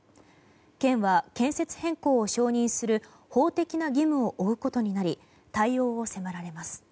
県は建設変更を承認する法的な義務を負うことになり対応を迫られます。